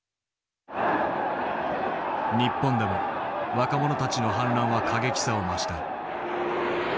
日本でも若者たちの反乱は過激さを増した。